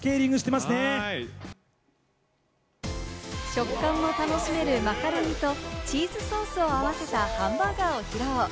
食感を楽しめるマカロニとチーズソースを合わせたハンバーガーを披露。